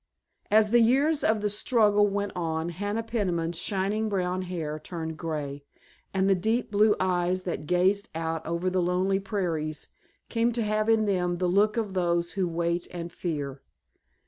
As the years of the struggle went on Hannah Peniman's shining brown hair turned grey, and the deep blue eyes that gazed out over the lonely prairies came to have in them the look of those who wait and fear.